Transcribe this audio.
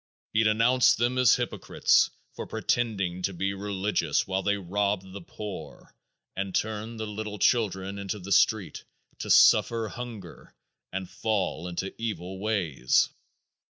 He denounced them as hypocrites for pretending to be religious while they robbed the poor and turned the little children into the street to suffer hunger and fall into evil ways.